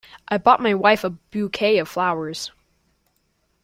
I bought my wife a Bouquet of flowers.